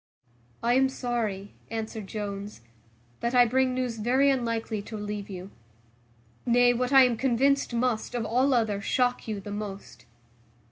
"I am sorry," answered Jones, "that I bring news very unlikely to relieve you: nay, what I am convinced must, of all other, shock you the most.